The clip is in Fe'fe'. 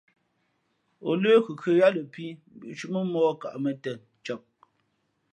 O lə̌ khʉkhʉ̄α yāā lαpī mbīʼtǔmά mōh kα mᾱ tēn cak.